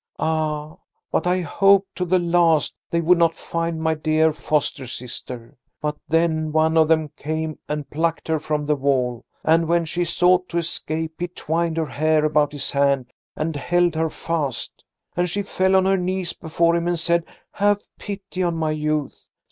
Ah, but I hoped to the last they would not find my dear foster sister, but then one of them came and plucked her from the wall, and when she sought to escape he twined her hair about his hand and held her fast. And she fell on her knees before him and said: 'Have pity on my youth!